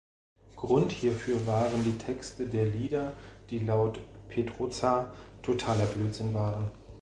Grund hierfür waren die Texte der Lieder, die laut Petrozza „totaler Blödsinn“ waren.